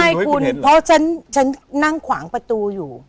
ใช่คุณเพราะฉันนั่งขวางประตูอยู่